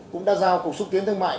cũng đã giao cuộc xuất tiến thương mại